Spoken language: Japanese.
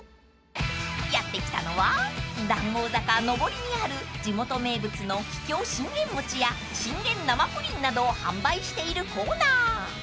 ［やって来たのは談合坂上りにある地元名物の桔梗信玄餅や信玄生プリンなどを販売しているコーナー］